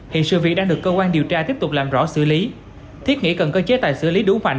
hiện sự việc đang được cơ quan điều tra tiếp tục làm rõ xử lý thiết nghĩ cần có chế tài xử lý đủ mạnh